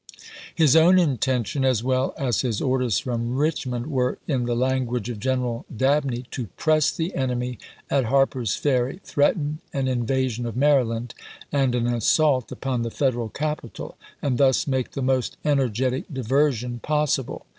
His own intention, as well as his orders from Richmond, were, in the language of General Dabney, " to press the enemy at Harper's Ferry, threaten an invasion of Mary land, and an assault upon the Federal capital, and thus make the most energetic diversion possible."